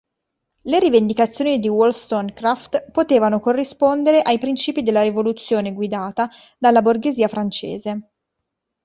Le rivendicazioni di Wollstonecraft potevano corrispondere ai principi della rivoluzione guidata dalla borghesia francese.